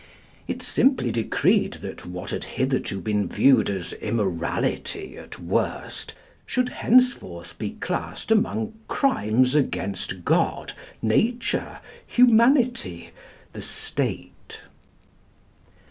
It simply decreed that what had hitherto been viewed as immorality at worst should henceforth be classed among crimes against God, nature, humanity, the state.